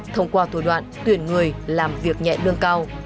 thông qua thủ đoạn tuyển người làm việc nhẹ lương cao